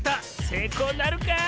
せいこうなるか？